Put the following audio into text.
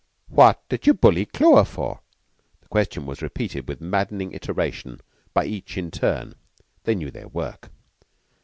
"What did you bully Clewer for?" The question was repeated with maddening iteration by each in turn. They knew their work.